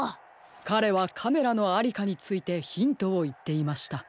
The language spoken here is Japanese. かれはカメラのありかについてヒントをいっていました。